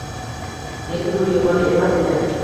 Lekin u yagona emas edi.